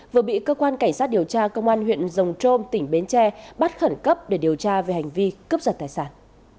vừa bị cơ quan cảnh sát điều tra công an huyện rồng trôm tỉnh bến tre bắt khẩn cấp để điều tra về hành vi cướp giật tài sản